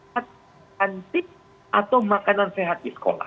saya cantik atau makanan sehat di sekolah